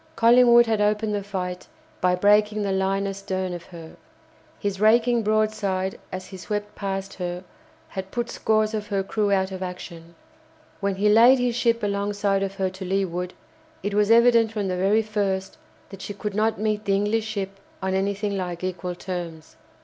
Collingwood had opened the fight by breaking the line astern of her. His raking broadside as he swept past her had put scores of her crew out of action. When he laid his ship alongside of her to leeward, it was evident from the very first that she could not meet the English ship on anything like equal terms.